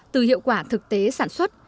từ hiệu quả thực tế sản xuất